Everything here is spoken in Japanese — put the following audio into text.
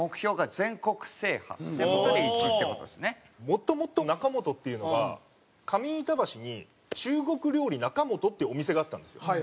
もともと中本っていうのが上板橋に中国料理中本っていうお店があったんですよ。